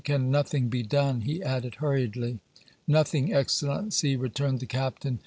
"Can nothing be done?" he added, hurriedly. "Nothing, Excellency," returned the captain.